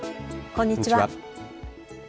こんにちは。